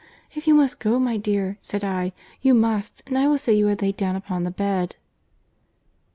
'If you must go, my dear,' said I, 'you must, and I will say you are laid down upon the bed.